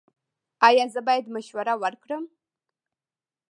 ایا زه باید مشوره ورکړم؟